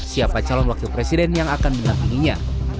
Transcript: siapa calon wakil presiden yang akan mendampinginya